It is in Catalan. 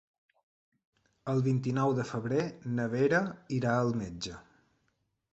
El vint-i-nou de febrer na Vera irà al metge.